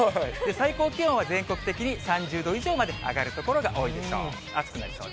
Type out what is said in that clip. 最高気温は全国的に３０度以上まで上がる所が多いでしょう。